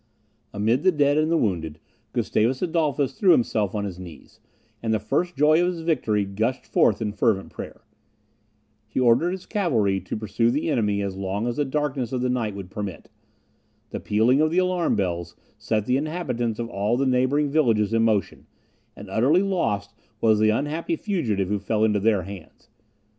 Amid the dead and the wounded, Gustavus Adolphus threw himself on his knees; and the first joy of his victory gushed forth in fervent prayer. He ordered his cavalry to pursue the enemy as long as the darkness of the night would permit. The pealing of the alarm bells set the inhabitants of all the neighbouring villages in motion, and utterly lost was the unhappy fugitive who fell into their hands.